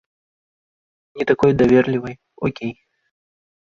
Не такой даверлівай, окей.